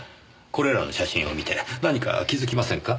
これらの写真を見て何か気づきませんか？